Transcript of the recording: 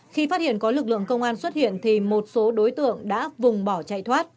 khi phát hiện có lực lượng công an xuất hiện thì một số đối tượng đã vùng bỏ chạy thoát